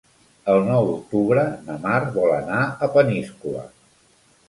El nou d'octubre na Mar vol anar a Peníscola.